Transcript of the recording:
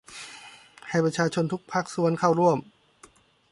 ให้ประชาชนทุกภาคส่วนเข้าร่วม